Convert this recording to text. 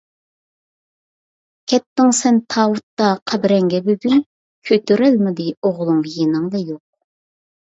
كەتتىڭ سەن تاۋۇتتا قەبرەڭگە بۈگۈن، كۆتۈرەلمىدى ئوغلۇڭ يېنىڭدا يوق.